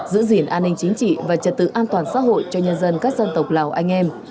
giữ gìn an ninh chính trị và trật tự an toàn xã hội cho nhân dân các dân tộc lào anh em